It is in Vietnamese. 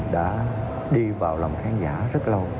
đã đi vào lòng khán giả rất lâu